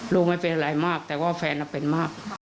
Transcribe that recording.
ลูกไม่เป็นอะไรมากแต่ว่าแฟนเป็นมาก